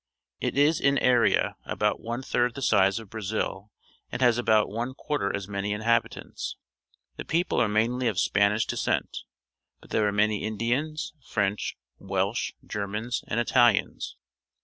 It is in area about one ARGENTINA t hird the size_of Brazil and has about one guarter as many inhabi^ '^nt^. The people are mainly of Spanish descent, but there are many Indians, French, Welsh, Germans, URUGUAY 155 and Italians.